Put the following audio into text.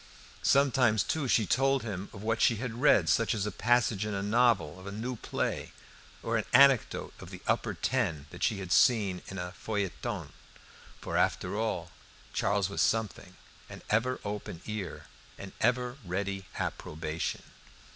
Sometimes, too, she told him of what she had read, such as a passage in a novel, of a new play, or an anecdote of the "upper ten" that she had seen in a feuilleton; for, after all, Charles was something, an ever open ear, and ever ready approbation.